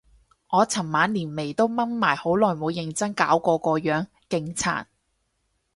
我尋晚連眉都掹埋，好耐冇認真搞過個樣，勁殘